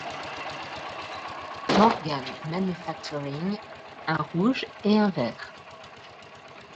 Morgan Manufacturing, un rouge et un vert.